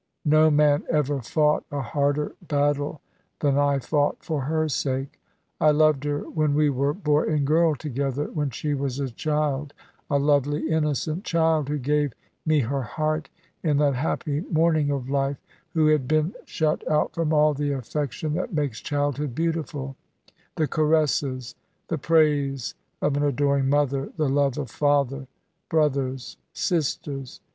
No man ever fought a harder battle than I fought for her sake. I loved her when we were boy and girl together, when she was a child, a lovely, innocent child, who gave me her heart in that happy morning of life, who had been shut out from all the affection that makes childhood beautiful, the caresses, the praise of an adoring mother, the love of father, brothers, sisters.